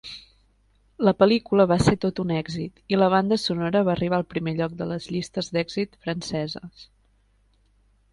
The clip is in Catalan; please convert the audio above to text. La pel·lícula van ser tot un èxit i la banda sonora va arribar al primer lloc de les llistes d'èxit franceses.